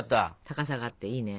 高さがあっていいね。